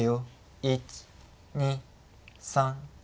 １２３４。